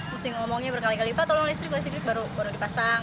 mesti ngomongnya berkali kali lipat tolong listrik masih baru dipasang